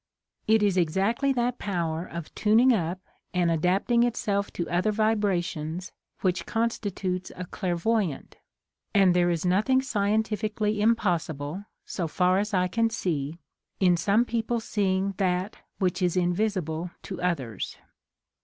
It is exactly that power of tuning up and adapting itself to other vibrations which constitutes a clair voyant, and there is nothing scientifically impossible, so far as I can see, in some peo ple seeing that which is invisible to others.